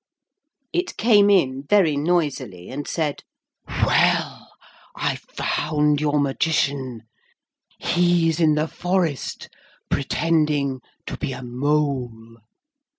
It came in very noisily, and said, 'Well, I've found your Magician, he's in the forest pretending to be a mole.'